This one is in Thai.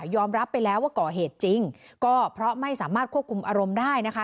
อมรับไปแล้วว่าก่อเหตุจริงก็เพราะไม่สามารถควบคุมอารมณ์ได้นะคะ